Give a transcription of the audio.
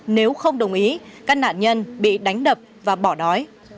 nếu không đồng ý các nạn nhân bị đánh đập và bỏ đói